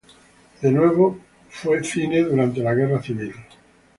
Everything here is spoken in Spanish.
Fue de nuevo cine durante la guerra civil.